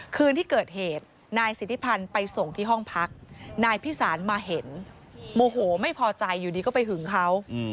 คืนที่เกิดเหตุนายสิทธิพันธ์ไปส่งที่ห้องพักนายพิสารมาเห็นโมโหไม่พอใจอยู่ดีก็ไปหึงเขา